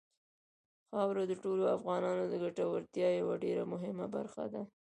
خاوره د ټولو افغانانو د ګټورتیا یوه ډېره مهمه برخه ده.